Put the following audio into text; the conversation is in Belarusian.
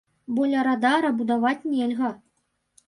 Бо ля радара будаваць нельга.